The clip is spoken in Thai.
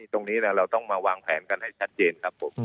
ตรงนี้เราต้องมาวางแผนกันให้ชัดเจนครับผม